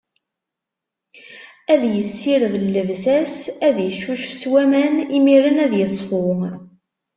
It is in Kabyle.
Ad issired llebsa-s, ad icucef s waman, imiren ad iṣfu.